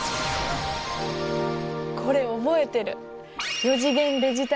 これ覚えてる。